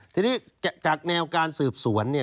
ทีนี้จากแนวการสืบสวนเนี่ย